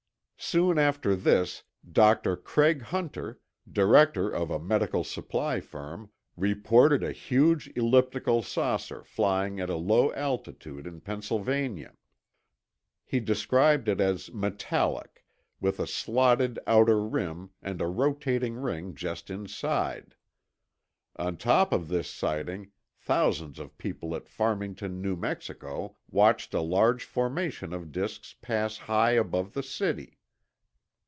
Soon after this Dr. Craig Hunter, director of a medical supply firm, reported a huge elliptical saucer flying at a low altitude in Pennsylvania. He described it as metallic, with a slotted outer rim and a rotating ring just inside. On top of this sighting, thousands of people at Farmington, New Mexico, watched a large formation of disks pass high above the city.